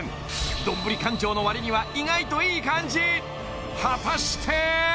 どんぶり勘定の割には意外といい感じ果たして？